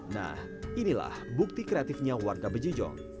nah inilah bukti kreatifnya warga bejijong